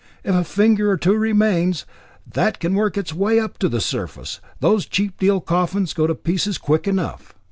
If a finger or two remains, that can work its way up to the surface, those cheap deal coffins go to pieces quick enough.